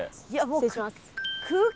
失礼します。